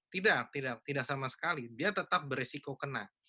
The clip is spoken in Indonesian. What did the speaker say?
tidak tidak sama sekali dia tetap beresiko kena